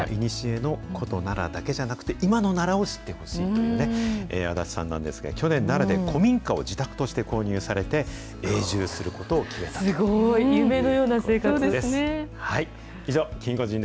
いにしえの古都、奈良だけではなくて、今の奈良を知ってほしいというね、安達さんなんですけれども、去年、奈良で古民家を自宅として購入されて、永住するこすごい、夢のような生活。